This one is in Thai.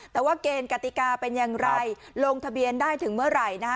แต่ว่าเกณฑ์กติกาเป็นอย่างไรลงทะเบียนได้ถึงเมื่อไหร่นะคะ